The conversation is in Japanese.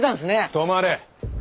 止まれ！